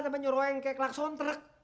sama nyuroweng kayak kelakson trek